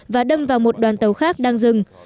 và đâm vào một đoàn tàu khác đang dừng